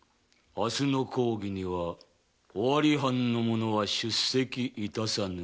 明日の講義には尾張藩の者は出席致さぬ。